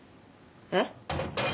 えっ？